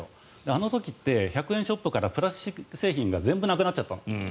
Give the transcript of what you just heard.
あの時って１００円ショップからプラスチック製品が全部なくなっちゃった。